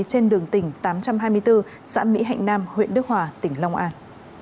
trên đường tỉnh tám trăm hai mươi bốn xã mỹ hạnh nam huyện đức hòa tỉnh long an